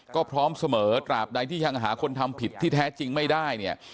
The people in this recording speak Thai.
ก็พร้อมเสมอตราบใดที่ยังหาคนทำผิดที่แท้จริงไม่ได้เนี่ย